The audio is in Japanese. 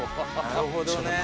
なるほどね。